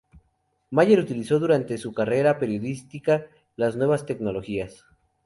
Meyer utilizó durante su carrera periodística las nuevas tecnologías.